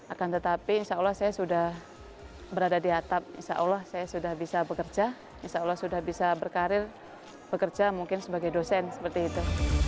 akan tetapi insya allah saya sudah berada di atap insya allah saya sudah bisa bekerja insya allah sudah bisa berkarir bekerja mungkin sebagai dosen seperti itu